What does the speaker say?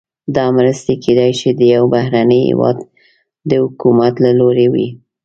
دا مرستې کیدای شي د یو بهرني هیواد د حکومت له لوري وي.